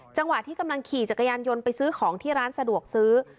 จังหวะที่กำลังขี่จักรยานยนต์ไปซื้อของที่ร้านสะดวกซื้อ